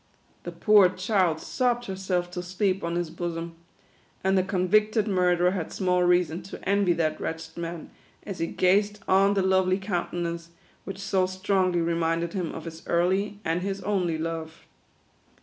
The poor child sobbed herself to sleep on his bosom ; and the convicted murderer had small reason to envy that wretched man, as he gazed on the lovely countenance, which so strongly remind ed him of his early and his only love.